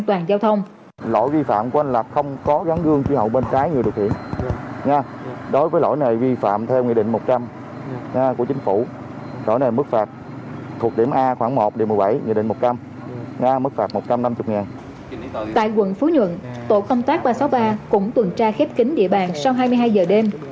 tại quận phú nhuận tổ công tác ba trăm sáu mươi ba cũng tuần tra khép kính địa bàn sau hai mươi hai h đêm